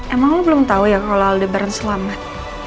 emang lu belum tau ya kalo aldebaran selamat